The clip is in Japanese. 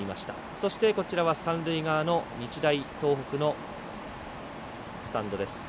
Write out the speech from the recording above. そして、三塁側の日大東北のスタンドです。